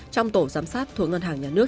trong tổ giám sát thuộc ngân hàng nhà nước